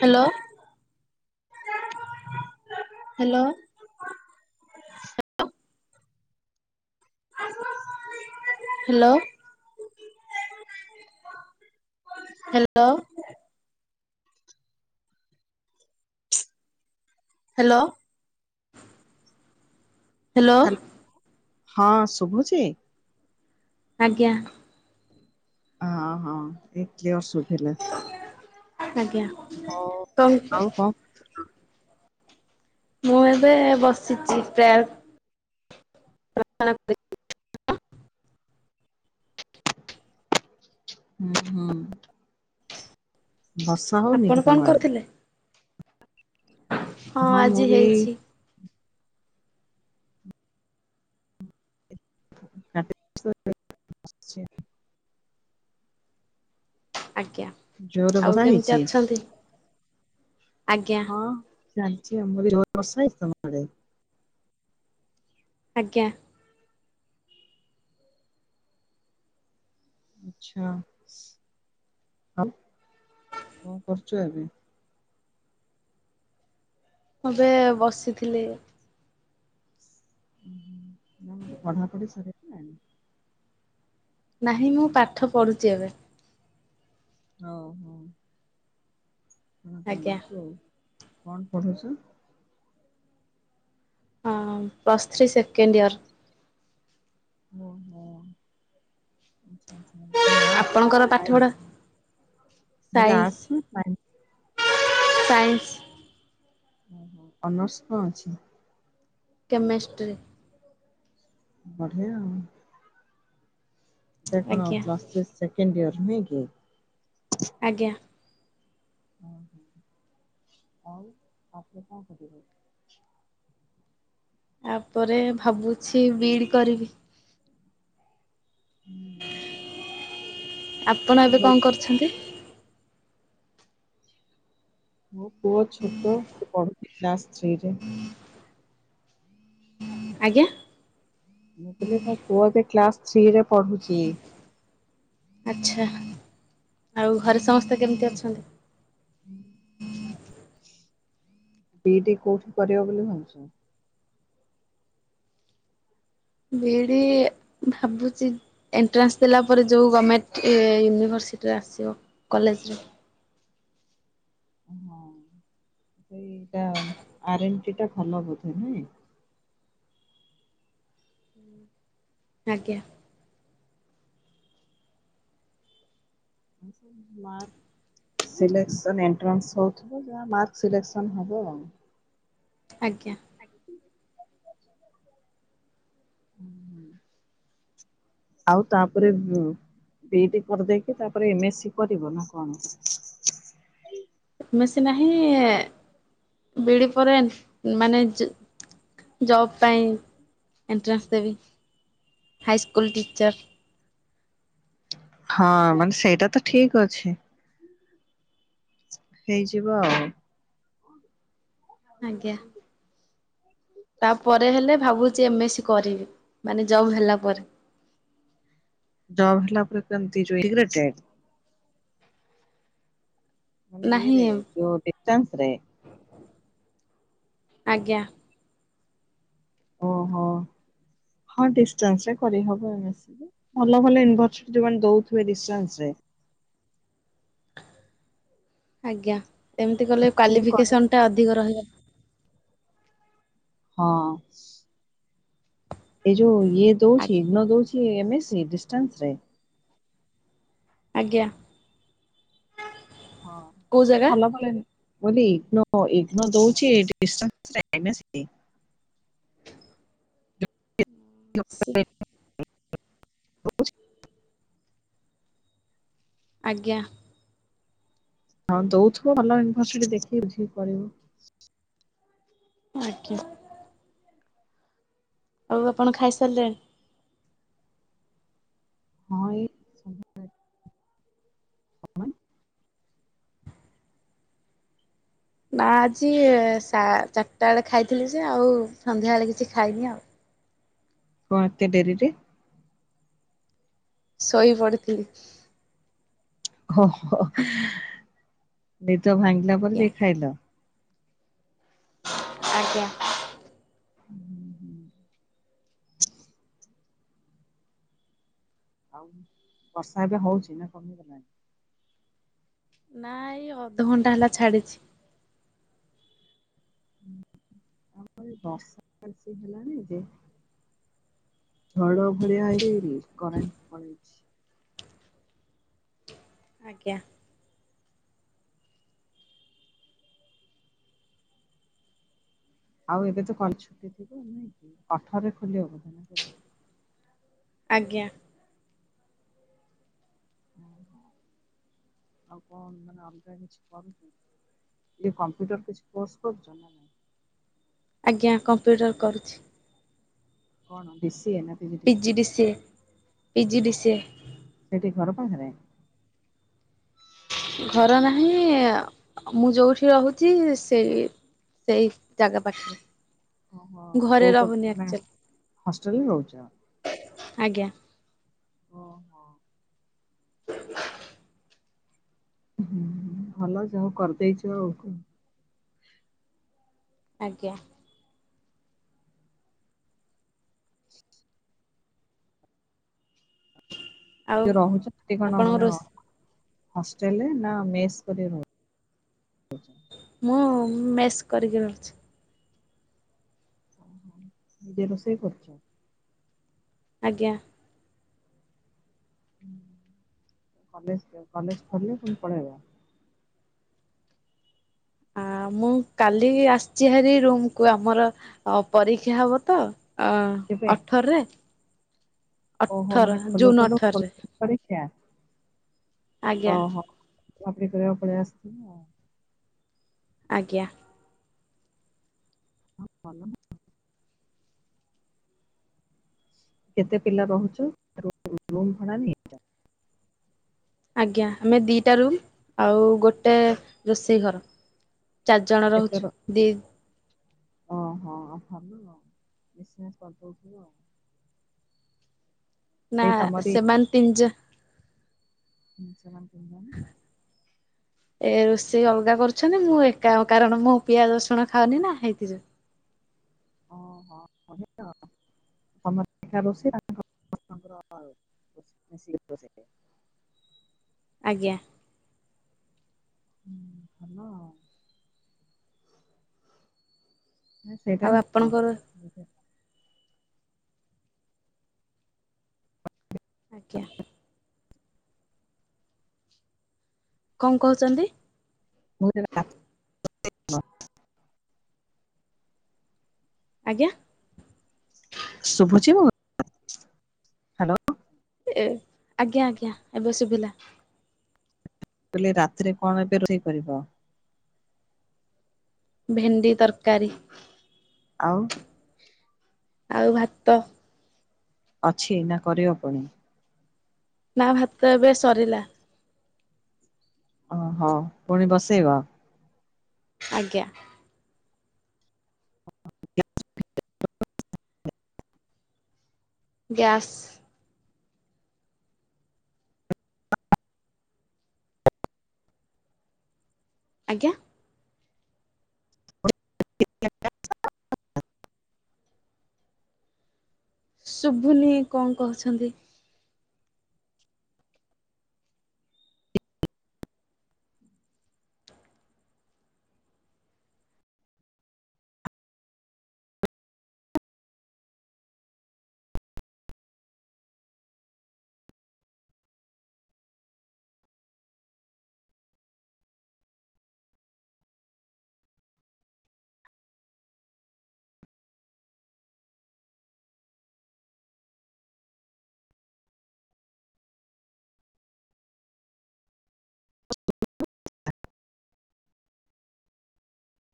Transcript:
Hello hello. Hello. Hello. Hello. Hello ହଁ ଶୁଭୁଚି? ଆଜ୍ଞା। ଅ ହ, ଏଇ କ୍ଲିଅର୍ ଶୁଭିଲା। ଆଜ୍ଞା ହଉ ଆଉ କଣ [unintelligible] ମୁଁ ଏବେ ବସିଚି [unintelligible] ହୁଁ ହୁଁ। ବସ୍ ଆପଣ କଣ କରୁଥିଲେ? ହଁ ମୁଁ ଆଜି ବି ଏଇ ହେଇଛି। [unintelligible] [unintelligible] ଆଜ୍ଞା, ଜୋରରେ ଆଉ ବର୍ଷା କେମିତି ହେଇଛି ଅଛନ୍ତି? ଆଜ୍ଞା। ହଁ ଚାଲିଚି ଆଉ [unintelligible] ଆଜ୍ଞା। ଆଛା, ଆଉ କଣ କରୁଚୁ ଏବେ? ମୁଁ ଏବେ ବସିଥିଲି। [unintelligible] ପଢା ପଢି ସରିଗଲାଣି? ନାହିଁ ମୁଁ ପାଠ ପଢୁଛି ଏବେ। ଓହୋ। ଆଜ୍ଞା [inaudible] କଣ ପଢୁଛ? ହଁ ପ୍ଲସ୍ ଥ୍ରୀ ସେକେଣ୍ଡ ଇୟର୍। ଓହୋ। [inaudible] କଣ ଆର୍ଟସ ଆପଣଙ୍କର ନା ପାଠ ପଢ଼ା ସାଇନ୍ସ? ମୁଁ କହିଲି ସାଇନ୍ସ ଆର୍ଟସ ନା ସାଇ ସାଇନ୍ସ। ଓହ ଅନର୍ସ କଣ ଅଛି? କେମେଷ୍ଟ୍ରି। ବଢିଆ ଆଉ। ଏଟା କଣ ଆଜ୍ଞା ପ୍ଲସ୍ ଥ୍ରୀ ସେକେଣ୍ଡ ଇଅର ନୁହେଁ କି? ଆଜ୍ଞା। ଓହ ଆଉ ତାପରେ କଣ କରିବ? ଆପରେ ଭାବୁଛି ବି ଇ ଡ଼ି କରିବି। [inaudible] ହୁଁ ଆପଣ ଏବେ ଭଲ କଣ କରୁଛନ୍ତିି? ମୋ ପୁଅ ଛୋଟ ସେ ପଢୁଚି କ୍ଲାସ ଥ୍ରୀ ରେ। ଆଜ୍ଞା? ମୁଁ କହିଲି ମୋ ପୁଅ ଏବେ କ୍ଲାସ ଥ୍ରୀରେ ପଢୁଚି। ଆଚ୍ଛା ଆଉ ଘରେ ସମସ୍ତେ କେମିତି ଅଛନ୍ତି? ବି ଇ ଡି କୋଉଠି କରିବ ବୋଲି ଭାବୁଚ? ବି ଇ ଡି ଭାବୁଚି ଏଣ୍ଟ୍ରାନ୍ସ ଦେଲା ପରେ ଯେଉ ଗମେଣ୍ଟ ଏ ୟୁନିଭର୍ସିଟିରେ ଆସିବ କଲେଜରେ। ଅ ହଁ ସେଇଇଟା ଆର ଏନ ଟୀ ଟା ଖଲ ବୋଧେ ନାଇଁ। [inaudible] ଆଜ୍ଞା। ମାର୍ ସିଲେନ୍ସନ ଏଣ୍ଟ୍ରାନ୍ସ ହୋଉଥୁବ ଯାହା ମାର୍କ ସିଲେନ୍ସନ ହବ। ଆଜ୍ଞା। ହୁଁ ଆଉ ତାପରେ ବିଇଡୀ କରିଦେଇକି ତାପରେ ଏମ ଏ ସି କରିବ ନା କଣ? ଏମ ଏ ସି ନାହଁ ବି ଏଇ ଡ଼ି ପରେ ମାନେ ଯ ଜବ ପାଇଁ ଏଣ୍ଟ୍ରାନ୍ସ ଦେବି ହାଇସ୍କୁଲ୍ ଟିଚର୍। ହଁ ମାନେ ସେଇଟା ତ ଠିକ୍ ଅଛି। ହେଇଯିବ ଆଉ। ଆଜ୍ଞା। ତାପରେ ହେଲେ ଭାବୁଛି ଏମଏସ୍ ସି କରିବି ମାନେ ଜବ ହେଲା ପରେ। ଜବ ହେଲା ପରେ କେମିତି। [unintelligible] ମାନେ ନାହିଁ ଇଏରେ ଯୋଉ ଡିଷ୍ଟଟାନ୍ସ ରେ। ଆଜ୍ଞା। ଓହୋ ହଁ ଡିଷ୍ଟାନ୍ସ ରେ କରିହବ ଏମ ଏ ସି ଯେ। ଭଲ ଭଲ ୟୁନିଭରସିଟି ମାନେ ଦଉଥିବେ ଡିଷ୍ଟାନ୍ସ ରେ ଆଜ୍ଞା ଏମିତି କଲେ ଠିକ୍ କରେ କ୍ୱାଲିଫିକେସନ ଟା ଅଧିକ ରହିବ। ହଁ ଏ ଯୋଉ ଦଉଚି ଆଜ୍ଞା। ନ ଦଉଚି କିଏ ଏମ୍ ଏ ସି ଡିଷ୍ଟାନ୍ସରେ? ଆଜ୍ଞା। ହଁ କୋଉ ଜାଗା ଭଲ ଭଲେନି। କୋଉଠି ଇଗ୍ନୋ ଇଗ୍ନୋ ଦଉଛି ଡିଷ୍ଟାନ୍ସରେ ଏମ ଏ ସି? [inaudible] ଆଜ୍ଞା। ହଁ ଦଉଥିବ ଭଲ ୟୁନିଭରସିଟି ଦେଖିକି ବୁଝିକି କରିବ। ଆଜ୍ଞା। ଆଉ ଆପଣ ଖାଇସାରିଲେଣି? ହଁ ଇଏ ଅ ଅନ୍--‌ ନା ଆଜି ସା ଚାର୍ ଟା ଏଳେ ଖାଇଥିଲି ଯେ ଆଉ ସନ୍ଧ୍ୟା ଏଳେ କିଛି ଖାଇନି ଆଉ। କଁ ଏତେ ଡେରିରେ? ଶୋଇ ପଡିଥିଲି। ହୋହୋ ହେ ନିଦ ଭାଙ୍ଗିଲା ପରେ ଆଜ୍ଞା ଦେଇ ଖାଇଲ? ଆଜ୍ଞା। ହୁଁ ହୁଁ। ଆଉ ବର୍ଷା ଏବେ ହଉଚି ନା କମିଗଲାଣି? ନା ଇ ଅଧଘଣ୍ଟା ହେଲା ଛାଡ଼ିଛି। ହୁଁ ଆମ ଏ ବର୍ଷା ଭଲ୍ ସେ ହେଲା ନି ଯେ ଝଡ ଭଳିଆ ହେଇଗିରି କରେଣ୍ଟ ପଳେଇଛି ଆଜ୍ଞା। ଆଉ ଏବେ ତ କଲେ ଛୁଟି ଥିବ ଆଉ ନାଁଇକି ଅଠରରେ ଖୋଲିବ ବଧେ ନା କେବେ? ଆଜ୍ଞା। ଆଉ କଁ ମାନେ ଅଲ୍‌ଗା କିଛି କରୁଚ କି? ଇଏ କମ୍ପ୍ୟୁଟର କିଛି କୋର୍ସ କରୁଚ ନା ନାଇଁ? ଆଜ୍ଞା କମ୍ପ୍ୟୁଟର କରୁଛି। କଣ ଡି ସି ଏ ନା? P G DC A PG DC A. ସେଇଠି ଘର ପାଖେରେ? ଘର ନାହିଁ ମୁଁ ଯୋଉଠି ରହୁଛି ସେଇ ସେଇ ଜାଗା ପାଖେରେ। ଓହୋ କୋଉ କର୍ ମାନେ ହଷ୍ଟେଲରେ ରହୁଚ? ଆଜ୍ଞା। ଓ ହ ହ ହୁଁ ହୁଁ ଭଲ ଯଉ କରଦେଇଚ ଇଛ ଆଉ କ ଆଜ୍ଞା। ଆଉ ଏ ରହୁଚ ସେଠି କଣ ଆପଣଙ୍କ ମାନେ ରୋଷ୍ ହଷ୍ଟେଲେ ନା ମେସ୍ କରି ରହୁ ମୁଁ ମେସ୍ କରିକି ରହୁଛି। ଅ ହ। ନିଦେ ରୋଷେଇ କରୁଚ? ଆଜ୍ଞା। ହୁଁ କଲେଜ ଥିଅ କଲେଜ୍‌ ଖୋଲିଲେ ପୁଣି ପଳେଇବ? ଆଁ ମୁଁ କାଲି ଆସିଛି ହାରି ରୁମକୁୁ ଆମର ପରୀକ୍ଷା ହବ ତ! ଅ କେବେ? ଅଠରରେ, ଓହୋ ଅଠର, ମାନେ ଖୋଲୁ ଜୁନ ଖୋଲୁ ଖୋଲୁ ଅଠରରେ। ପରୀକ୍ଷା ଆଜ୍ଞା ଓହୋ [unintelligible] ଆଜ୍ଞା। [unintelligible] କେତେ ପିଲା ରହୁଛୁ ରୁ ରୁମ୍ ଭଡ଼ାନିଏ? ଆଜ୍ଞା, ଆମେ ଦୁଇଟା ରୁମ୍ ଆଉ ଗୋଟେ ରୋଷେଇ ଘର। ଚାରି ଜଣ କେତେ ର ରହୁଛୁ। ଦି ଓହୋ ଆଉ [unintelligible] ମିଶିମାଶି କରିଦଉଥିବ ଆଉ। ନା ସେଇ ତମରି ସେମାନେ ତିନି ଜ ହୁଁ, ସେମାନେ ତିନି ଜଣ? ଏ ରୋଷେଇ ଅଲଗା କରୁଛନ୍ତି। ମୁଁ ଏକା କାରଣ- ମୁଁ ପିଆଜ, ରସୁଣ ଖାଉନି ନା ହେଇଥିଯୋଗୁ। ହଁ ହଁ [unintelligible] [unintelligible] ଆଜ୍ଞା। ହୁଁ, ହ୍ୟାଲୋ। ସେଇଟା ଆଉ ହିଁ ଆପଣଙ୍କର [unintelligible] ଆଜ୍ଞା। କଣ କହୁଛନ୍ତି? [inaudible] ଆଜ୍ଞା। ଶୁଭୁଚି ମୁଁ। ଏ ଆଜ୍ଞା ଆଜ୍ଞା ଏବେ ଶୁଭିଲା। ମୁଁ କହିଲି ରାତିରେ କଣ ଏବେ ରୋଷେଇ କରିବ? ଭେଣ୍ଡି ତରକାରୀ। ଆଉ? ଆଉ ଭାତ। ଅଛି ନା କରିବ ପୁଣି? ନା ଭାତ ଏବେ ସରିଲା। ଓହ ପୁଣି ବସେଇବ? ଆଜ୍ଞା। ଗ୍ୟାସ୍। ଆଜ୍ଞା? [inaudible] ଶୁଭୁନି କଣ କହୁଛନ୍ତି।